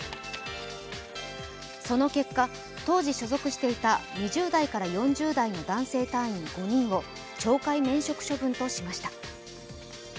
その結果、当時所属していた２０代から４０代の男性隊員５人を懲戒免職処分としました。